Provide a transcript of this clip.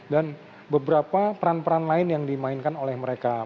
dan beberapa peran peran lain yang dimainkan oleh mereka